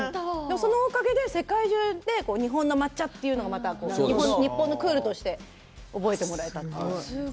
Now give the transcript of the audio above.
そのおかげで世界中で日本の抹茶が日本のクールとして覚えてもらえたんですね。